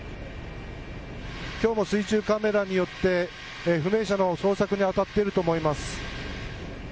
今日も水中カメラによって不明者の捜索に当たっていると思います。